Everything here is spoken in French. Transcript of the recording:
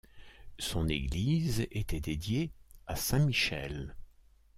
Son église était dédiée à Saint-Michel.